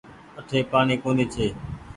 اٺي پآڻيٚ ڪونيٚ ڇي۔